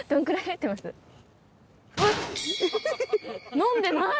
飲んでない！